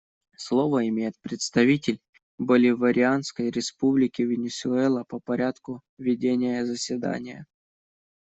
Слово имеет представитель Боливарианской Республики Венесуэла по порядку ведения заседания.